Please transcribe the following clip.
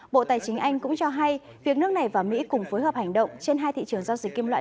bộ tài chính anh cũng cho hay việc nước này và mỹ cùng phối hợp hành động trên hai thị trường giao dịch kim loại